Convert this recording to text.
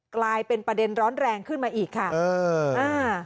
กลายเป็นประเด็นร้อนแรงขึ้นมาอีกค่ะ